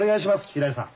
ひらりさん。